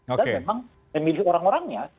dan memang memilih orang orangnya